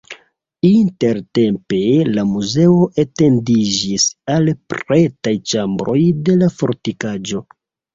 Intertempe la muzeo etendiĝis al pretaj ĉambroj de la fortikaĵo.